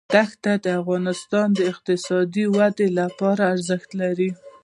دښتې د افغانستان د اقتصادي ودې لپاره ارزښت لري.